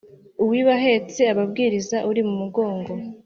Uwiba ahetse ababwiriza uri mumugongo